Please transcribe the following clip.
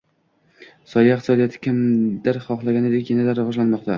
Soya iqtisodiyoti, kimdir xohlaganidek, yana rivojlanmoqda